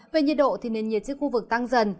về nhiệt độ thì nền nhiệt trên khu vực tăng dần